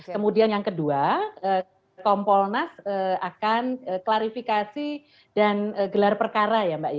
kemudian yang kedua kompolnas akan klarifikasi dan gelar perkara ya mbak